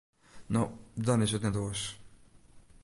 No, dan is it net oars.